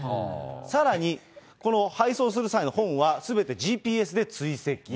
さらにこの配送する際の本は、すべてＧＰＳで追跡。